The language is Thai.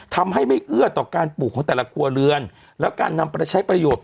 ทำให้ไม่เอื้อต่อการปลูกของแต่ละครัวเรือนแล้วการนำไปใช้ประโยชน์